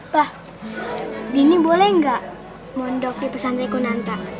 pak dini boleh nggak mondok di pesantren kunanta